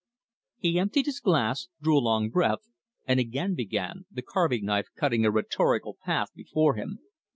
He emptied his glass, drew a long breath, and again began, the carving knife cutting a rhetorical path before him.